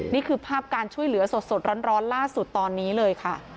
นี่คือภาพการช่วยเหลือสดร้อนล่าสุดตอนนี้เลยค่ะ